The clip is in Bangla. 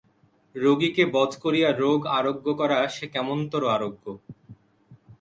রোগীকে বধ করিয়া রোগ আরোগ্য করা সে কেমনতরো আরোগ্য?